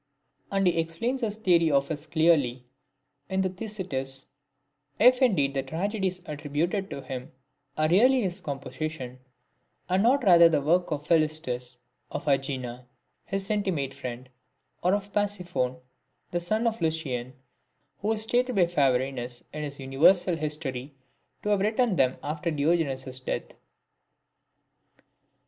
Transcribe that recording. VII. And he explains this theory of his clearly in the Thyestes, if indeed the tragedies attributed to him are really his composition, and not rather the work of Philistus, of uEgina, his intimate friend, or of Pasiphon, the son of Lucian, who is stated by Phavorinus, in his Universal History, to have written them after Diogenes' death.